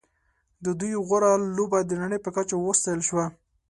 د دوی غوره لوبه د نړۍ په کچه وستایل شوه.